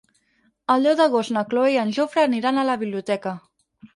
El deu d'agost na Cloè i en Jofre aniran a la biblioteca.